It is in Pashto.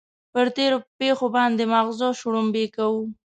پر تېرو پېښو باندې ماغزه شړومبې کوو.